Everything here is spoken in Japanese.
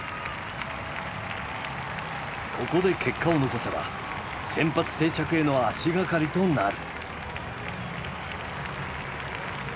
ここで結果を残せば先発定着への足がかりとなる。